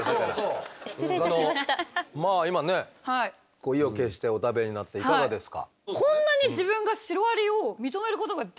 こう意を決してお食べになっていかがですか？